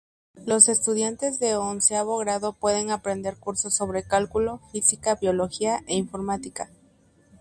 Los estudiantes de onceavo grado pueden aprender cursos sobre cálculo, física, biología e informática.